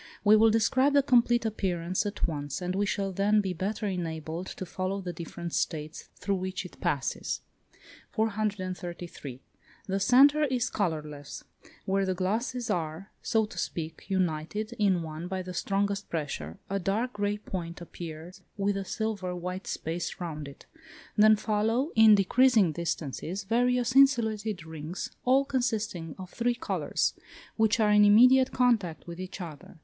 We will describe the complete appearance at once, as we shall then be better enabled to follow the different states through which it passes. 433. The centre is colourless; where the glasses are, so to speak, united in one by the strongest pressure, a dark grey point appears with a silver white space round it: then follow, in decreasing distances, various insulated rings, all consisting of three colours, which are in immediate contact with each other.